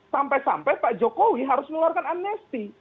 sampai sampai pak jokowi harus mengeluarkan amnesti